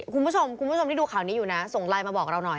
คุณผู้ชมคุณผู้ชมที่ดูข่าวนี้อยู่นะส่งไลน์มาบอกเราหน่อย